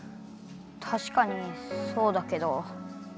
たしかにそうだけど。